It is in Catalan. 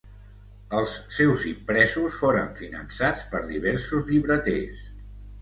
Els seus impresos foren finançats per diversos llibreters.